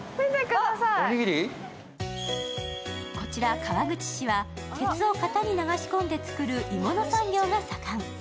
こちら川口市は鉄を型に流し込んで作る鋳物産業が盛ん。